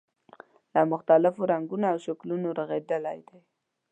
له مختلفو رنګونو او شکلونو رغېدلی دی.